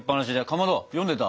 かまど読んでた？